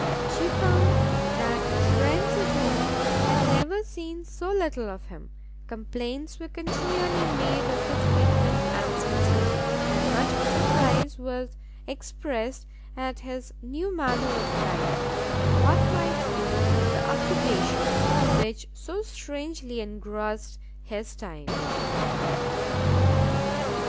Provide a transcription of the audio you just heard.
She found that his friends at home had never seen so little of him, complaints were continually made of his frequent absences, and much surprise was expressed at his new manner of life, and what might be the occupations which so strangely engrossed his time.